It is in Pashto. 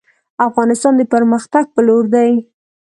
افغانستان د پرمختګ په لور دی